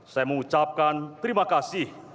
saya mengucapkan terima kasih